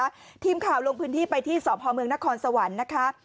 แล้วนะคะทีมข่าวลงพื้นที่ไปที่สพเมนนสวันนะคะ